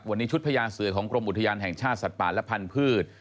วันนี้ชุดพญาเสือของกรมอุทยานแห่งชาติสัตว์ป่าและพันธุ์